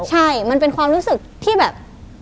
ใช่มันเป็นความรู้สึกที่แบบ